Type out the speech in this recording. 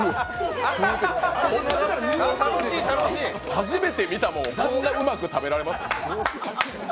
初めて見たものをこんなうまく食べられます？